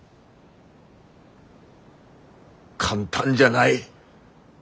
簡単じゃない。